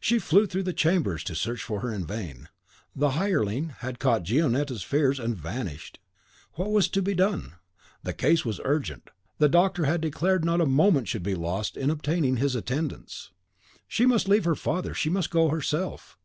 She flew through the chambers to search for her in vain, the hireling had caught Gionetta's fears, and vanished. What was to be done? The case was urgent, the doctor had declared not a moment should be lost in obtaining his attendance; she must leave her father, she must go herself!